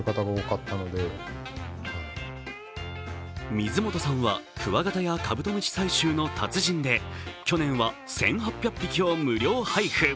水元さんはクワガタやカブトムシ採集の達人で去年は１８００匹を無料配布。